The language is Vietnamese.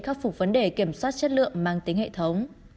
khắc phục vấn đề kiểm soát chất lượng mang tính hệ thống